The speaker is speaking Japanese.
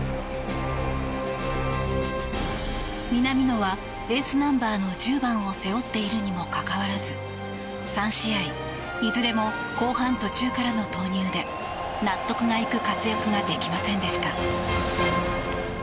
南野はエースナンバーの１０番を背負っているにもかかわらず３試合いずれも後半途中からの投入で納得がいく活躍ができませんでした。